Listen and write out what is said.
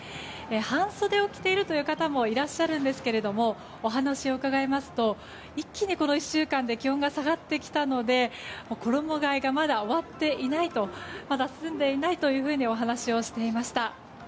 半袖を着ているという方もいらっしゃるんですけどもお話を伺いますと一気にこの１週間で気温が下がってきたので衣替えがまだ終わっていないとまだ済んでいないというふうにお話をしていました。